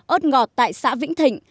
ơt ngọt tại xã vĩnh thịnh